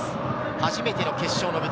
初めての決勝の舞台。